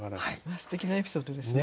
すてきなエピソードですね。